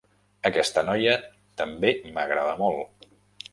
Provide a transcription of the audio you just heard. Aquesta noia també m'agrada molt.